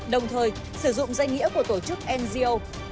đồng thời sử dụng danh nghĩa của tổ chức ngo